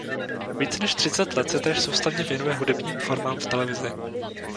Více než třicet let se též soustavně věnuje hudebním formám v televizi.